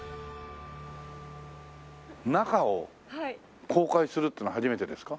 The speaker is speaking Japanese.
中を公開するっていうのは初めてですか？